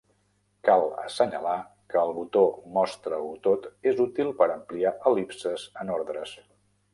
Cal assenyalar que el botó "Mostra-ho tot" és útil per ampliar el·lipses en ordres.